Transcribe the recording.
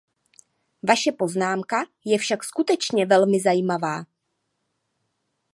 Vaše poznámka je však skutečně velmi zajímavá.